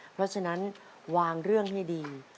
เพราะฉะนั้นวางเรื่องให้ดี